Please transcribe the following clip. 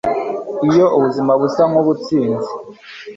iyo ubuzima busa nkubutsinze